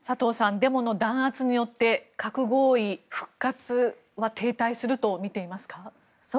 デモの弾圧によって核合意復活停滞するとみていますか。